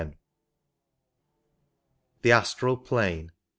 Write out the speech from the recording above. y THE ASTRAL PLANE.